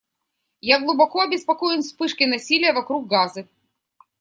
Я глубоко обеспокоен вспышкой насилия вокруг Газы.